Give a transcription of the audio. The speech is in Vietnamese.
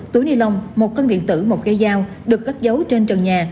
túi ni lông một cân điện tử một gây dao được cắt giấu trên trần nhà